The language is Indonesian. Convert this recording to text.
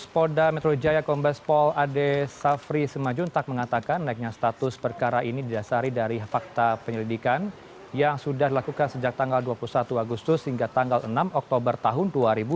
pada hari ini polda metro jaya mengatakan naiknya status perkara ini didasari dari fakta penyelidikan yang sudah dilakukan sejak tanggal dua puluh satu agustus hingga tanggal enam oktober tahun dua ribu dua puluh tiga